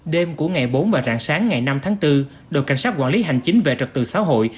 đêm của ngày bốn và rạng sáng ngày năm tháng bốn đội cảnh sát quản lý hành chính về trật tự xã hội